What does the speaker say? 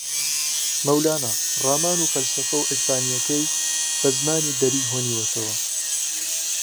مەولانا، رامان و فەلسەفە عیرفانیەکەی بە زمانی دەری ھۆنیوەتەوە